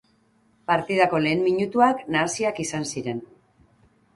Partidako lehen minutuak nahasiak izan ziren.